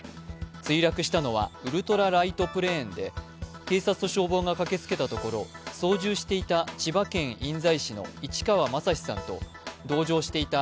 墜落したのはウルトラライトプレーンで警察と消防が駆けつけたところ操縦していた千葉県印西市の市川正史さんと同乗していた